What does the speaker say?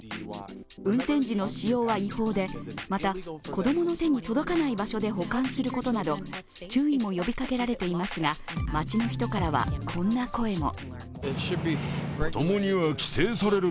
運転時の使用は違法で、また、子供の手に届かない場所で保管することなど、注意も呼びかけられていますが街の人からは、こんな声も。